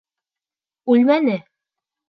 Үлмәне!